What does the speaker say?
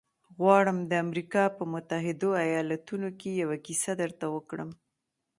غواړم د امریکا په متحدو ایالتونو کې یوه کیسه درته وکړم